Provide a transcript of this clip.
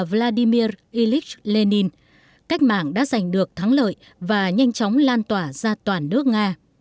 vladimir ilyich lenin cách mạng đã giành được thắng lợi và nhanh chóng lan tỏa ra toàn nước nga